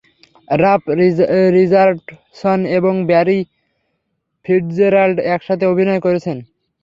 Rough Richardson এবং Barry Fitzgerald একসাথে অভিনয় করেছেন।